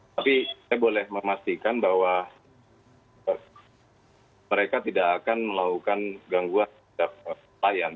tapi saya boleh memastikan bahwa mereka tidak akan melakukan gangguan terhadap pelayan